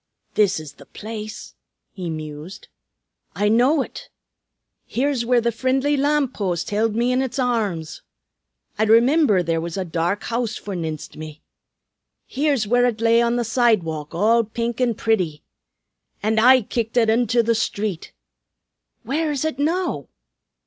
"This is the place," he mused. "I know ut; here's where the frindly lam'post hild me in its arrums. I rimimber there was a dark house forninst me. Here's where ut lay on the sidewalk, all pink an' pretty. An' I kicked ut into the street! Where is ut now?